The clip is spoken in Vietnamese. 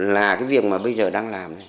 là cái việc mà bây giờ đang làm